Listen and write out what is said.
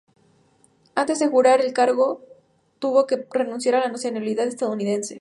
Antes de jurar el cargo tuvo que renunciar a la nacionalidad estadounidense.